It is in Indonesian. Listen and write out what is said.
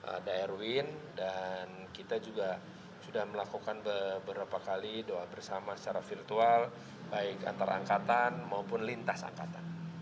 ada erwin dan kita juga sudah melakukan beberapa kali doa bersama secara virtual baik antar angkatan maupun lintas angkatan